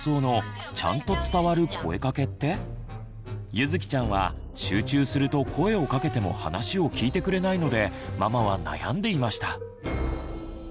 ゆづきちゃんは集中すると声をかけても話を聞いてくれないのでママは悩んでいました。